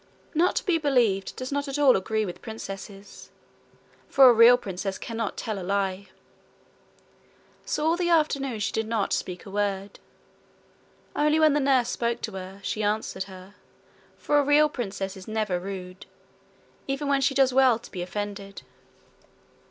Not to be believed does not at all agree with princesses: for a real princess cannot tell a lie. So all the afternoon she did not speak a word. Only when the nurse spoke to her, she answered her, for a real princess is never rude even when she does well to be offended.